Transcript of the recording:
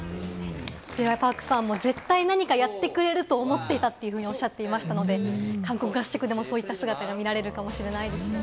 Ｊ．Ｙ．Ｐａｒｋさんも絶対に何かやってくれると思っていたとおっしゃっていましたので、韓国合宿でもそういった姿が見られるかもしれないです。